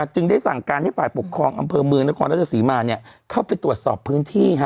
จึงได้สั่งการให้ฝ่ายปกครองอำเภอเมืองนครราชสีมาเข้าไปตรวจสอบพื้นที่